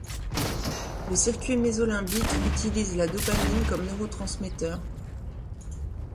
Le circuit mésolimbique utilise la dopamine comme neurotransmetteur.